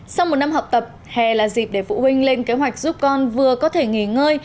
sau một năm học tập hè là dịp để phụ huynh lên kế hoạch giúp con vừa có thể nghỉ ngơi